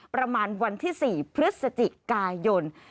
ประมาณวันที่๔พฤศจิกายน